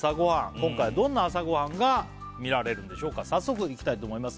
今回はどんな朝ごはんが見られるんでしょうか早速いきたいと思います